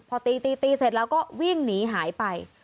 พอตีตีเสร็จแล้วก็วิ่งหนีหายไป